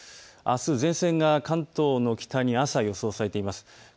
あす、前線が関東の北に朝、予想されています。